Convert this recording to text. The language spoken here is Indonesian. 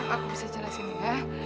aku bisa jelasin ya